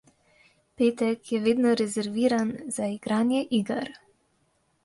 Petek je vedno rezerviran za igranje iger.